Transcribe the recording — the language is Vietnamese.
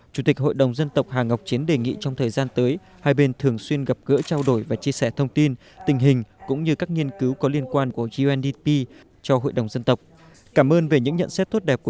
chủ tịch hội đồng dân tộc hà ngọc chiến đề nghị trong thời gian tới hai bên thường xuyên gặp gỡ trao đổi và chia sẻ thông tin tình hình cũng như các nghiên cứu có liên quan của gndp cho hội đồng dân tộc cảm ơn